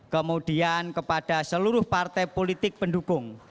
kemudian kepada seluruh partai politik pendukung